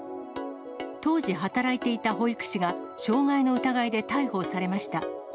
当時、働いていた保育士が傷害の疑いで逮捕されました。